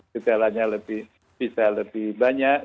gejalanya bisa lebih banyak